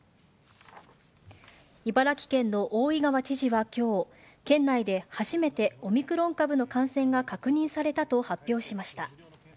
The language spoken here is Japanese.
茨城県の大井川知事はきょう、県内で初めてオミクロン株の感染が確認されたと発表しました。